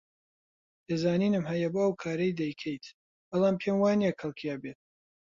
پێزانینم هەیە بۆ ئەو کارەی دەیکەیت، بەڵام پێم وانییە کەڵکی هەبێت.